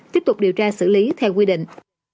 tiếp tục điều tra xử lý theo quy định